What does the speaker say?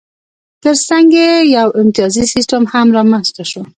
ترڅنګ یې یو امتیازي سیستم هم رامنځته شو